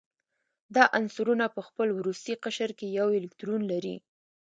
دا عنصرونه په خپل وروستي قشر کې یو الکترون لري.